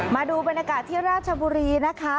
มาดูบรรยากาศที่ราชบุรีนะคะ